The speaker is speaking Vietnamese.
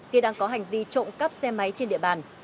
khi đang có hành vi trộm cắp xe máy trên địa bàn